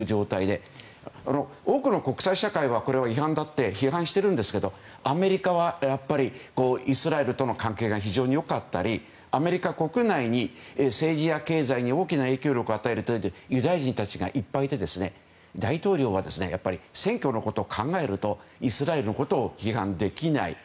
結果的に入植地がどんどん増えてくるという状態で多くの国際社会はこれは違反だと批判しているんですがアメリカはイスラエルとの関係が非常に良かったりアメリカ国内に政治や経済に大きな影響力を与えるユダヤ人たちがいっぱいいて大統領は選挙のことを考えるとイスラエルのことを批判できない。